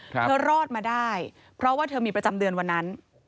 รอดมาได้เพราะว่าเธอมีประจำเดือนวันนั้น